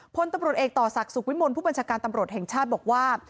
พลตำรวจเอกต่อศักดิ์สุขวิมลผู้บัญชาการตำรวจแห่งชาติบอกว่า